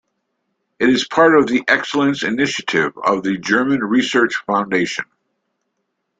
It is part of the Excellence Initiative of the German Research Foundation.